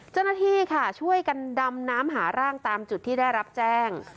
เจ้าหน้าที่ค่ะช่วยกันดำน้ำหาร่างตามจุดที่ได้รับแจ้ง